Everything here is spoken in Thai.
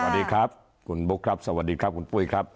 สวัสดีครับคุณบุ๊คครับสวัสดีครับคุณปุ้ยครับ